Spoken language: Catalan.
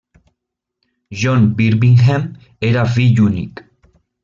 John Birmingham era fill únic.